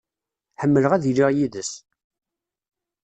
Ḥemmleɣ ad iliɣ yid-s.